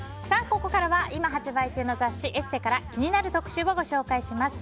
ここからは今発売中の雑誌「ＥＳＳＥ」から気になる特集をご紹介します。